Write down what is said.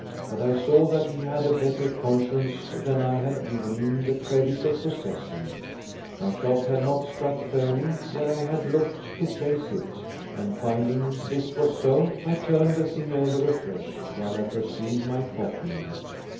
But I saw that he had a better conscience than I had given him the credit of possessing. My shot had not struck fairly where I had looked to place it; and finding this was so, I turned the thing over afresh, while I pursued my copying.